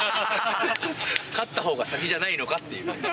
勝った方が先じゃないのかっていう。